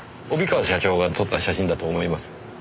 帯川社長が撮った写真だと思います。